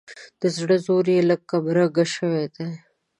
د زړه زور یې لږ کمرنګه شوی دی.